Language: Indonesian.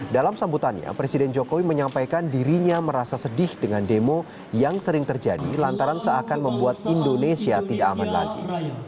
dalam sambutannya presiden jokowi menyampaikan dirinya merasa sedih dengan demo yang sering terjadi lantaran seakan membuat indonesia tidak aman lagi